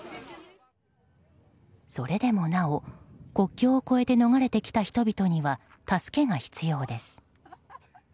それでもなお国境を越えて逃れてきた人々には助けが必要です。